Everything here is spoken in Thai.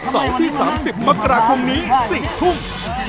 เสาร์ที่๓๐มกราคมนี้๔ทุ่ม